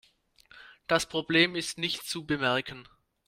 Das Problem ist nicht zu bemerken.